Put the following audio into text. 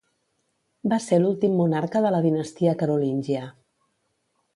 Va ser l'últim monarca de la dinastia carolíngia.